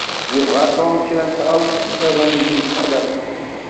Yebɣa Tom kra n tɣawsa-nniḍen yemxalafen.